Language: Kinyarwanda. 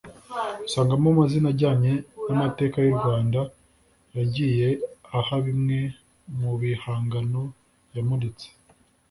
usangamo amazina ajyanye n’amateka y’u Rwanda yagiye aha bimwe mu bihangano yamuritse